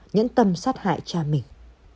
nhẫn tâm sát hại cha mình